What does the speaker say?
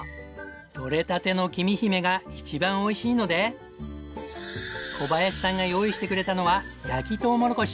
とれたてのきみひめが一番おいしいので小林さんが用意してくれたのは焼きとうもろこし。